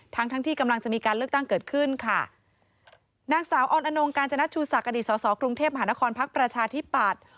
ทั้งทั้งที่กำลังจะมีการเลือกตั้งเกิดขึ้นค่ะนางสาวออนอนงกาญจนชูศักดิอดีตสอสอกรุงเทพมหานครพักประชาธิปัตย์